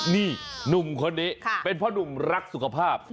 นี่หนุ่มคนนี้เป็นพ่อหนุ่มรักสุขภาพ